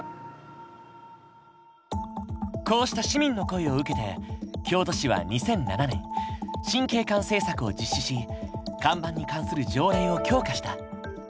こうした市民の声を受けて京都市は２００７年新景観政策を実施し看板に関する条例を強化した。